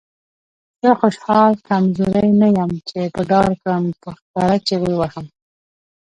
زه خوشحال کمزوری نه یم چې به ډار کړم. په ښکاره چیغې وهم.